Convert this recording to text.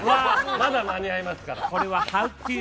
まだ間に合いますから。